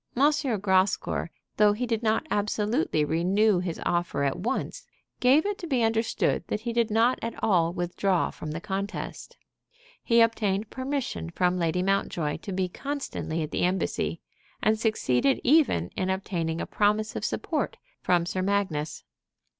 Grascour, though he did not absolutely renew his offer at once, gave it to be understood that he did not at all withdraw from the contest. He obtained permission from Lady Mountjoy to be constantly at the Embassy, and succeeded even in obtaining a promise of support from Sir Magnus.